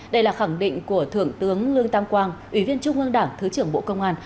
đây là khẳng định của thượng tướng lương tam quang ủy viên trung ương đảng thứ trưởng bộ công an